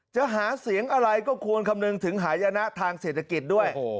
จะหาเสียงอะไรก็ควรคำนึงถึงหายนะทางเศรษฐกิจด้วย